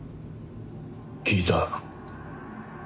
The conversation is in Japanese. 聞いた。